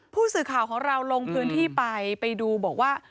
ผู้สื่อข่าวของเราลงพื้นที่ไปไปดูบอกว่า